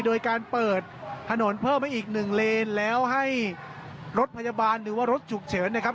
โดยการเปิดถนนเพิ่มให้อีกหนึ่งเลนแล้วให้รถพยาบาลหรือว่ารถฉุกเฉินนะครับ